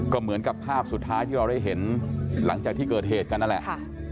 ก็เหมือนกับภาพสุดท้ายที่เราได้เห็นหลังจากที่เกิดเหตุกันนั่นแหละ